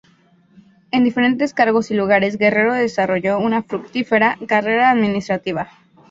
En diferentes cargos y lugares Guerrero desarrolló una fructífera carrera administrativa.